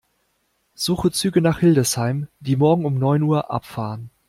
Suche Züge nach Hildesheim, die morgen um neun Uhr abfahren.